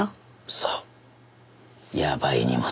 そうやばい荷物。